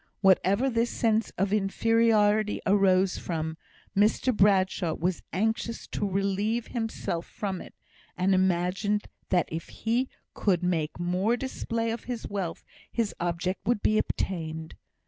Whatever this sense of inferiority arose from, Mr Bradshaw was anxious to relieve himself of it, and imagined that if he could make more display of his wealth his object would be obtained.